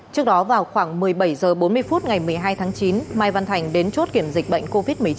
trước đó vào khoảng một mươi bảy h bốn mươi phút ngày một mươi hai tháng chín mai văn thành đến chốt kiểm dịch bệnh covid một mươi chín